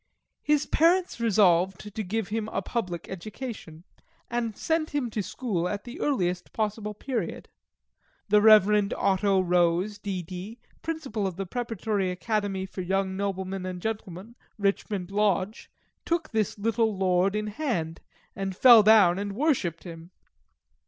His parents resolved to give him a public education, and sent him to school at the earliest possible period. The Reverend Otto Rose, D.D., Principal of the Preparatory Academy for young noblemen and gentlemen, Richmond Lodge, took this little Lord in hand, and fell down and worshipped him.